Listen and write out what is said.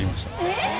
えっ！？